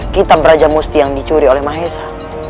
kitab raja musti yang dicuri oleh mahesa